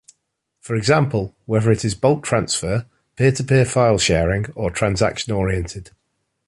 For example, whether it is bulk transfer, peer to peer file sharing or transaction-orientated.